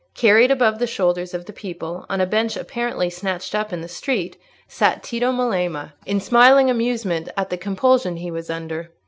Carried above the shoulders of the people, on a bench apparently snatched up in the street, sat Tito Melema, in smiling amusement at the compulsion he was under.